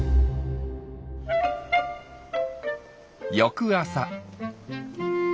翌朝。